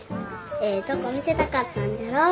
ええとこ見せたかったんじゃろ。